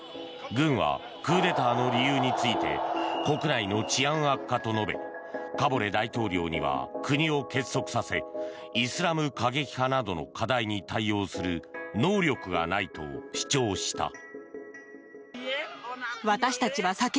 軍は、クーデターの理由について国内の治安悪化と述べカボレ大統領には国を結束させイスラム過激派などの課題に対応する能力がないと主張した。